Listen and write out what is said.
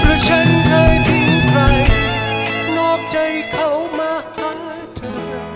เพราะฉันเคยทิ้งใครนอกใจเขามากทั้งเธอ